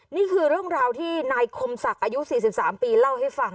นี่คือเรื่องราวที่นายคมศักดิ์อายุ๔๓ปีเล่าให้ฟัง